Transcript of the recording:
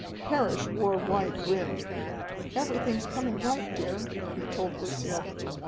Parrish wore a wide grin. "Everything's coming right, dear," he told Lucille.